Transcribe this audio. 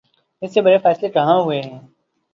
ان سے بڑے فیصلے کہاں ہونے ہیں۔